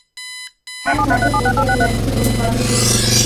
ھەم تەرتىپ بويىچە تۆۋەندىكى بۇيرۇقلارنى كىرگۈزىمىز.